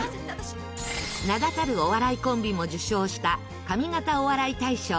名だたるお笑いコンビも受賞した上方お笑い大賞。